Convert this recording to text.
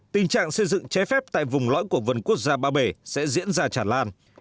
tình trạng xây dựng trái phép tại vùng lõi của vườn quốc gia ba bể sẽ diễn ra tràn lan